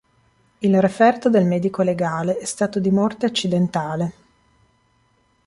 Il referto del medico legale è stato di "morte accidentale".